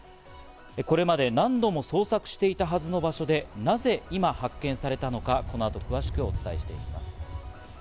これまで何度も捜索していたはずの場所で、なぜ今になって発見されたのか、この後、詳しくお伝えします。